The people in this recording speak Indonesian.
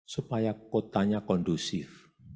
supaya kotanya kondusif